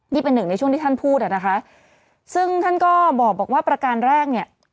นี่เป็นหนึ่งในช่วงที่ท่านพูดอ่ะนะคะซึ่งท่านก็บอกว่าประการแรกเนี่ย